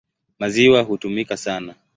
Maziwa hutumika sana.